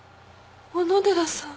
小野寺さん。